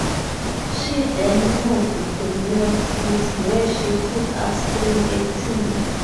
She then moved to New York City where she took up screen acting.